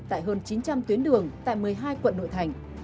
tại hơn chín trăm linh tuyến đường tại một mươi hai quận nội thành